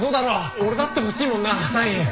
俺だって欲しいもんなサイン。